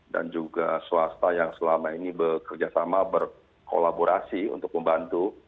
dan juga swasta yang selama ini bekerja sama berkolaborasi untuk membantu